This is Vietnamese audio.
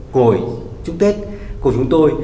ngồi chúc tết của chúng tôi